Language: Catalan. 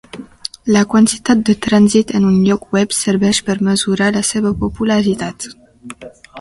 La quantitat de trànsit en un lloc web serveix per mesurar la seva popularitat.